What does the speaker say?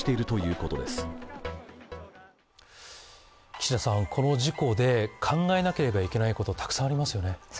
この事故で考えなければいけないこと、たくさんありますよね。